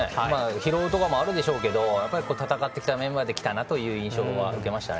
疲労とかもあるでしょうけど戦ってきたメンバーできたなという印象は受けましたね。